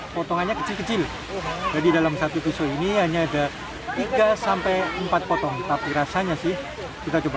potongannya kecil kecil jadi dalam satu tusuk ini hanya ada tiga sampai empat potong tapi rasanya sih kita coba